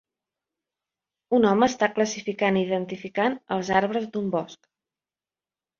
Un home està classificant i identificant els arbres d'un bosc.